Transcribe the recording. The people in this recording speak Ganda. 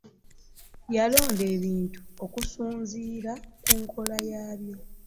Yalonda ebintu okusunzira ku nkula yaabyo.